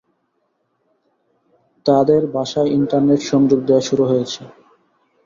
তাঁদের বাসায় ইন্টারনেট সংযোগ দেওয়া শুরু হয়েছে।